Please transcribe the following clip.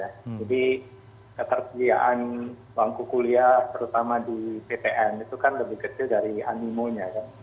jadi ketersediaan bangku kuliah terutama di ptn itu kan lebih kecil dari animonya